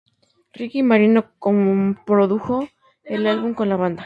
Rick Marino coprodujo el álbum con la banda.